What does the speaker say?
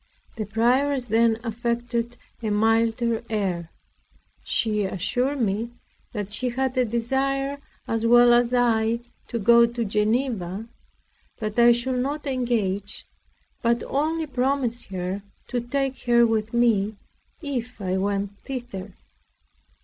The prioress then affected a milder air. She assured me, that she had a desire, as well as I, to go to Geneva; that I should not engage, but only promise her to take her with me, if I went thither.